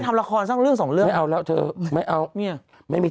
ทำละครสักเรื่องสองเรื่องไม่เอาแล้วเธอไม่เอาเนี่ยไม่มี